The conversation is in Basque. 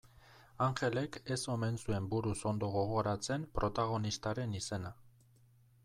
Anjelek ez omen zuen buruz ondo gogoratzen protagonistaren izena.